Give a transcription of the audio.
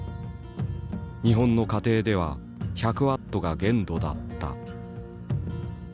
日本の家庭では１００ワットが限度だった。